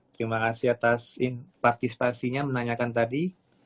terima kasih atas partisipasinya menanyakan tadi